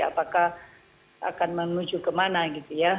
apakah akan menuju kemana gitu ya